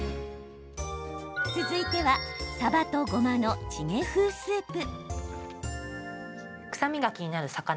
続いてはさばとごまのチゲ風スープ。